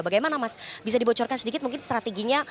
bagaimana mas bisa dibocorkan sedikit mungkin strateginya